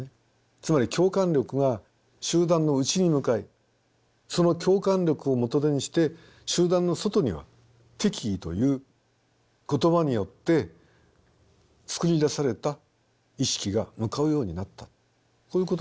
つまり共感力は集団の内に向かいその共感力を元手にして集団の外には敵意という言葉によって作り出された意識が向かうようになったこういうことだと思うんですね。